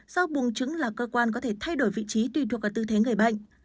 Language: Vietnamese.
do bùng trứng là cơ quan có thể thay đổi vị trí tùy thuộc vào tư thế người bệnh